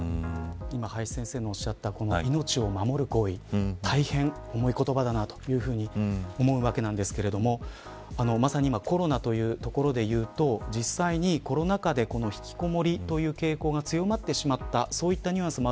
今、林先生のおっしゃった命を守る行為大変、重い言葉だなと思うわけなんですけれどもまさに今コロナというところで言うと実際にコロナ禍でひきこもりという傾向が強まってしまったそういったニュアンスも